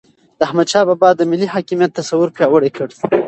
د احمد شاه بابا د ملي حاکمیت تصور پیاوړی کړ.